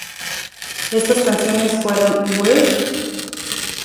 Estas canciones fueron: "Where?